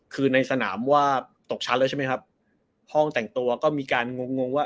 คือในสนามว่าตกชั้นแล้วใช่ไหมครับห้องแต่งตัวก็มีการงงงงว่า